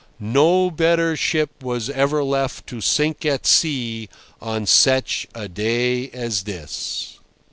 No better ship was ever left to sink at sea on such a day as this."